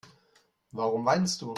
Warum weinst du?